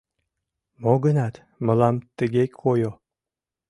Мо-гынат, мылам тыге койо.